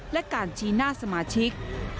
และการชี้หน้าสมาชิก